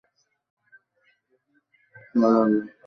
এবারও আল্লাহর পক্ষ থেকে পূর্বের ন্যায় কিংবা তদপেক্ষা শক্তভাবে পাকড়াও হয়।